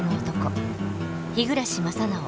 日暮正直